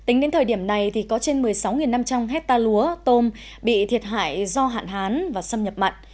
tính đến thời điểm này có trên một mươi sáu năm trăm linh hectare lúa tôm bị thiệt hại do hạn hán và xâm nhập mặn